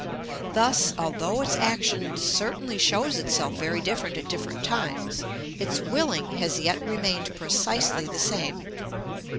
Thus, although its action certainly shows itself very different at different times, its willing has yet remained precisely the same.